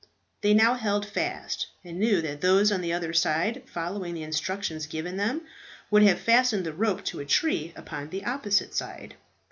They now held fast, and knew that those on the other side, following the instructions given them, would have fastened the rope to a tree upon the opposite side.